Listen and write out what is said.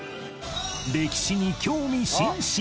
歴史に興味津々！